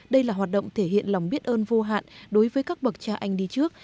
đây là hoạt động thể hiện lòng biết ơn vô hạn đối với các bậc cha anh đi trước